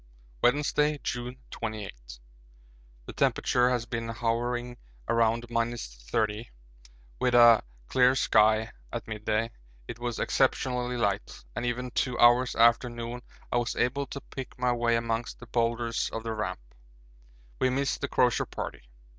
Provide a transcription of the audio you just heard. HUXLEY. Wednesday, June 28. The temperature has been hovering around 30° with a clear sky at midday it was exceptionally light, and even two hours after noon I was able to pick my way amongst the boulders of the Ramp. We miss the Crozier Party.